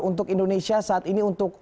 untuk indonesia saat ini untuk